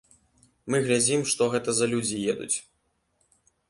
Мы глядзім, што гэта за людзі едуць.